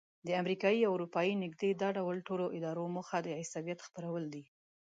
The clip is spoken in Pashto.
د امریکایي او اروپایي نږدې دا ډول ټولو ادارو موخه د عیسویت خپرول دي.